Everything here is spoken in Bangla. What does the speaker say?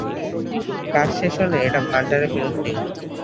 কাজ শেষ হলে এটা ভান্ডারে ফেরত দিও।